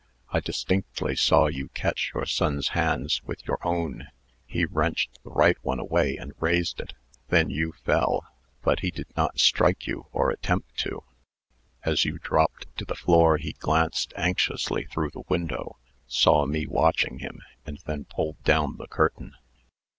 I distinctly saw you catch your son's hands with your own; he wrenched the right one away, and raised it; then you fell, but he did not strike you, or attempt to. As you dropped to the floor, he glanced anxiously through the window, saw me watching him, and then pulled down the curtain."